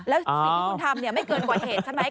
แล้วสิ่งที่คุณทำไม่เกินกว่าเหตุใช่ไหม